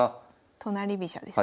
都成飛車ですね。